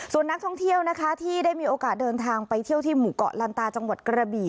ส่วนนักท่องเที่ยวนะคะที่ได้มีโอกาสเดินทางไปเที่ยวที่หมู่เกาะลันตาจังหวัดกระบี่